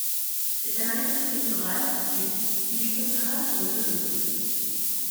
C'est un arrêté préfectoral du qui lui conféra son autonomie.